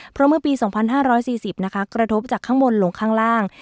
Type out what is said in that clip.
เพราะเมื่อปี๒๕๔๐นะคะกระทบจากข้างบนลงข้างล่าง